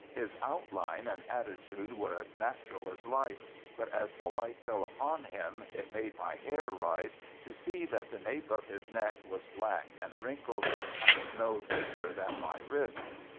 His outline and attitude were as natural as life; but as the light fell upon him, it made my hair rise to see that the nape of his neck was black and wrinkled, and no thicker than my wrist.